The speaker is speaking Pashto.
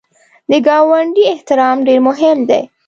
د ګاونډي احترام ډېر مهم دی